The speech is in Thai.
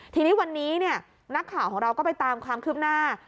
ทีนี้วันนี้นักข่าวของเราก็ไปตามความคืบหน้า